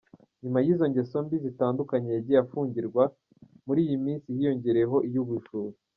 Nyuma y’izo ngeso mbi zitandukanye yagiye afungirwa, muri iyi minsi hiyongereyeho iy’ubujura.